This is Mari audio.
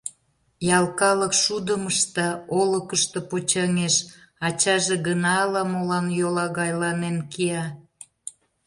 Ял калык шудым ышта, олыкышто почаҥеш; ачаже гына ала-молан йолагайланен кия.